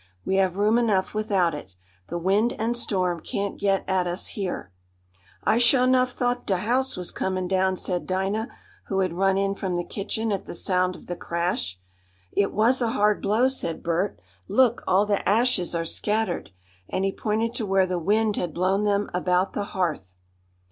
We have room enough without it. The wind and storm can't get at us here." "I suah 'nuff thought de house was comin' down," said Dinah, who had run in from the kitchen at the sound of the crash. "It was a hard blow," said Bert "Look, all the ashes are scattered," and he pointed to where the wind had blown them about the hearth.